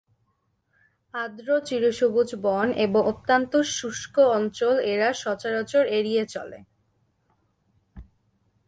আর্দ্র চিরসবুজ বন এবং অত্যন্ত শুষ্ক অঞ্চল এরা সচরাচর এড়িয়ে চলে।